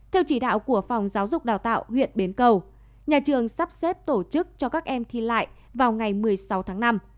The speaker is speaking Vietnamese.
theo chỉ đạo của phòng giáo dục đào tạo huyện bến cầu nhà trường sắp xếp tổ chức cho các em thi lại vào ngày một mươi sáu tháng năm